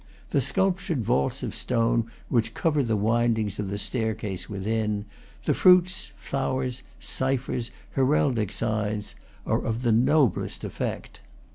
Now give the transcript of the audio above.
The sculptured vaults of stone which cover the windings of the staircase within, the fruits, flowers, ciphers, heraldic signs, are of the noblest effect.